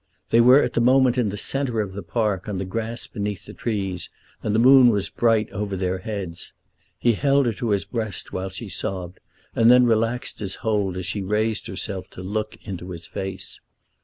They were at the moment in the centre of the park, on the grass beneath the trees, and the moon was bright over their heads. He held her to his breast while she sobbed, and then relaxed his hold as she raised herself to look into his face.